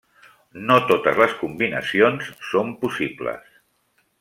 No totes les combinacions són possibles.